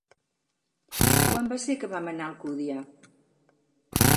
Quan va ser que vam anar a Alcúdia?